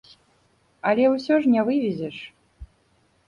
Але ўсё ж не вывезеш.